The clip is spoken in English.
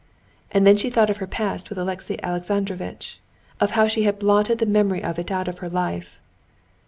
And then she thought of her past with Alexey Alexandrovitch, of how she had blotted the memory of it out of her life.